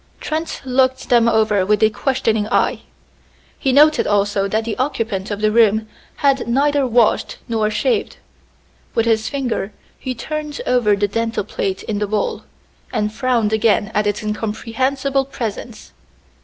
Trent looked them over with a questioning eye. He noted also that the occupant of the room had neither washed nor shaved. With his finger he turned over the dental plate in the bowl, and frowned again at its incomprehensible presence.